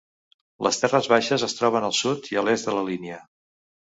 Les Terres baixes es troben al sud i al est de la línia.